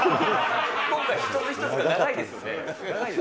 今回一つ一つが長いですよね。